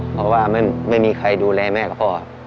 เพราะว่าไม่มีใครดูแลแม่กับพ่อ